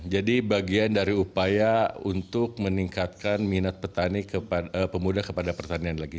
jadi bagian dari upaya untuk meningkatkan minat pemuda kepada pertanian lagi